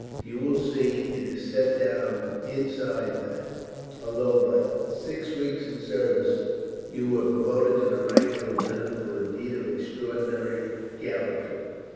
You will see it is set down inside that, although but six weeks in service, you were promoted to the rank of lieutenant for a deed of extraordinary gallantry.